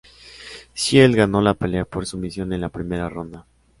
Shields ganó la pelea por sumisión en la primera ronda.